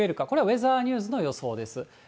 これはウェザーニューズの予想です。